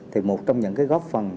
thì một trong những góp phần